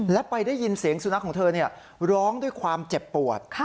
และไปได้ยินเสียงสุนัขของเธอร้องด้วยความเจ็บปวด